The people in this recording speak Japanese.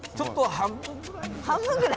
半分ぐらい？